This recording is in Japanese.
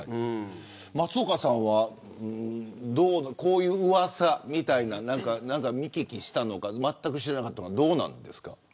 松岡さんはこういう、うわさみたいなもの見聞きしたのかまったく知らなかったのかどうなんですか。